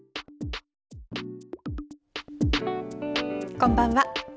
こんばんは。